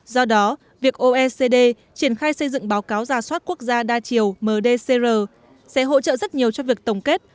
do đó việc oecd triển khai xây dựng báo cáo giả soát quốc gia đa chiều mdcr sẽ hỗ trợ rất nhiều cho việc tổng kết